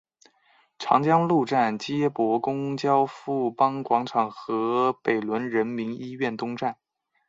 长江路站接驳公交富邦广场站和北仑人民医院东站。